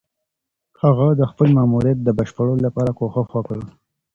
هغه د خپل ماموريت د بشپړولو لپاره کوښښ وکړ.